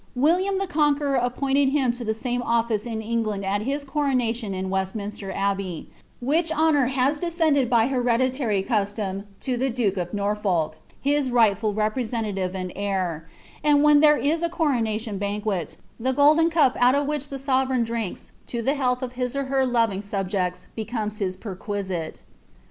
William iha Con queror appointed him to the same ofSce in England at his coronuianiB Wesliniuster Abbey ; which honour has descended by hereditary cinlm to the duke of Norfolk, his rightful representative and heir ; and «hei there is a coronation banquet, the golden cup out of which llm «orereigi drinks to the health of his or her loting subjects beconius hia pw ^uiBite.'